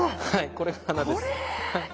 これが花です。